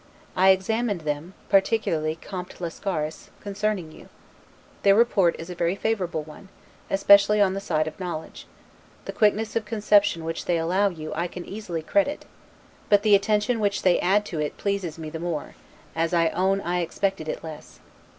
I examined them, particularly Comte Lascaris, concerning you; their report is a very favorable one, especially on the side of knowledge; the quickness of conception which they allow you I can easily credit; but the attention which they add to it pleases me the more, as I own I expected it less.